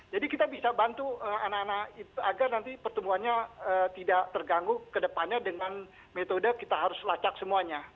jadi kita bisa bantu anak anak agar nanti pertumbuhannya tidak terganggu kedepannya dengan metode kita harus lacak semuanya